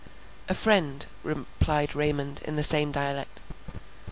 "A friend," replied Raymond in the same dialect.